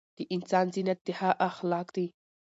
د انسان زينت د هغه اخلاق دي